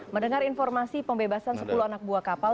mendengar informasi pembebasan sepuluh anak buah kapal